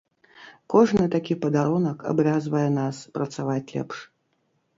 Кожны такі падарунак абавязвае нас працаваць лепш.